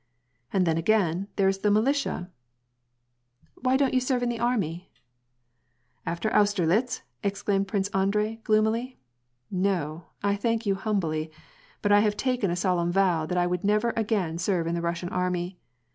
And then again, there is the militia "—" Why don't you serve in the army ?"" After Austerlitz !" exclaimed Prince Andrei, gloomily. " No, I thank you humbly, but I have taken a solemn vow that I would never again serve in the Russian army.